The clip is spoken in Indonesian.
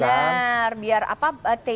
benar biar apa